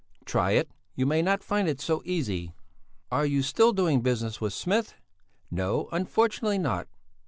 "Try it! You may not find it so easy!" "Are you still doing business with Smith?" "No, unfortunately not!